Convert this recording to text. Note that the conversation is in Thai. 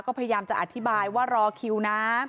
ก็พยายามจะอธิบายว่ารอคิวนะ